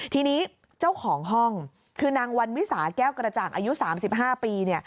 ทีนี้เจ้าของห้องคือนางวันวิสาแก้วกระจ่างอายุ๓๕ปี